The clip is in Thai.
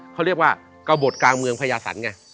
เขาเรียกว่ากระบดกลางเมืองพญาสันไง